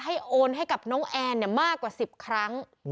โอนให้กับน้องแอนมากกว่า๑๐ครั้ง